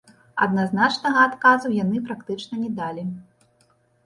Адназначнага адказу яны практычна не далі.